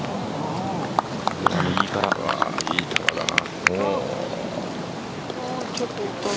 いい球だな。